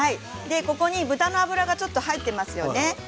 ここに豚の脂がちょっと入ってますよね